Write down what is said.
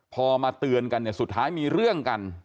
พอมาเตือนกันเนี่ยสุดท้ายมีเรื่องกัน